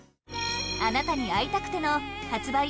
「あなたに逢いたくて」の発売